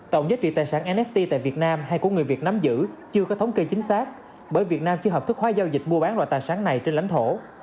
tổng giá trị tài sản nett tại việt nam hay của người việt nắm giữ chưa có thống kê chính xác bởi việt nam chưa hợp thức hóa giao dịch mua bán loại tài sản này trên lãnh thổ